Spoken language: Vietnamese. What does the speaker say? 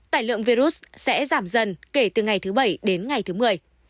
tải lượng virus sẽ giảm dần kể từ ngày thứ bảy đến ngày thứ mười